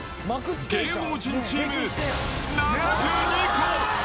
芸能人チーム、７２個。